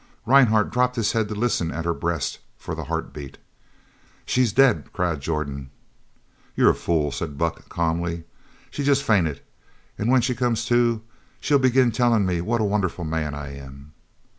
Rhinehart dropped his head to listen at her breast for the heartbeat. "She's dead!" cried Jordan. "You're a fool," said Buck calmly. "She's jest fainted, an' when she comes to, she'll begin tellin' me what a wonderful man I am."